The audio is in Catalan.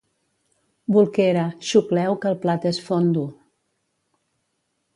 Bolquera, xucleu que el plat és fondo...